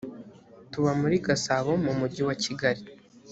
tuba muri gasabo mu mujyi wa kigali.